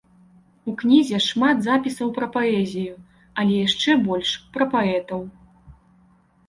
У кнізе шмат запісаў пра паэзію, але яшчэ больш пра паэтаў.